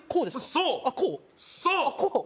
そうそうこう？